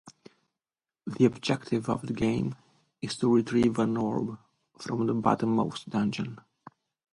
The objective of the game is to retrieve an "Orb" from the bottommost dungeon.